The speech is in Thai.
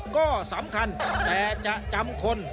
ก็สำคัญแต่จะจำคน